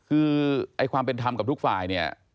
คือไอ้ความเป็นธรรมกับทุกฝ่ายเนี่ย